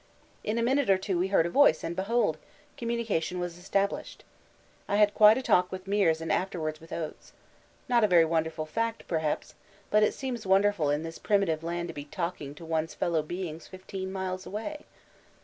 In a minute or two we heard a voice, and behold! communication was established. I had quite a talk with Meares and afterwards with Oates. Not a very wonderful fact, perhaps, but it seems wonderful in this primitive land to be talking to one's fellow beings 15 miles away.